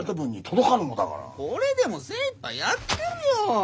これでも精いっぱいやってるよ！